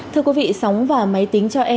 thưa quý vị sóng và máy tính cho em